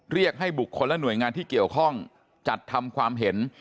เรียกให้บุคคลและหน่วยงานที่เกี่ยวข้องจัดทำความเห็น